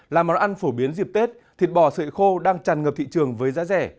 là món ăn phổ biến dịp tết thịt bò sợi khô đang tràn ngập thị trường với giá rẻ